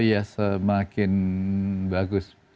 oh iya semakin bagus